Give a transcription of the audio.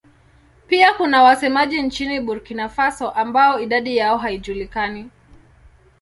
Pia kuna wasemaji nchini Burkina Faso ambao idadi yao haijulikani.